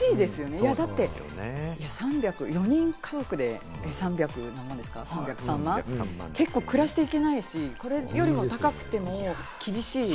だって４人家族で３０３万って結構暮らしていけないし、それよりも高くても厳しい。